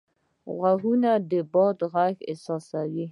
غوږونه د باد غږ احساسوي